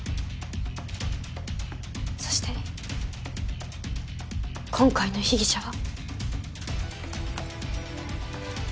そして今回の被疑者は。